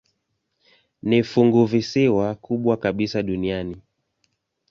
Ni funguvisiwa kubwa kabisa duniani.